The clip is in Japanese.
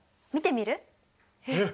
えっ！？